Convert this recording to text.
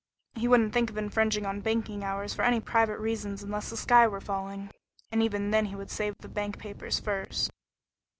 He wouldn't think of infringing on banking hours for any private reasons unless the sky were falling, and even then he would save the bank papers first.